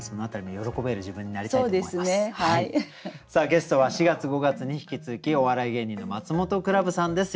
ゲストは４月５月に引き続きお笑い芸人のマツモトクラブさんです。